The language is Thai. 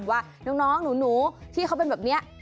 ว่าน้องหนูที่เขาเป็นแบบนี้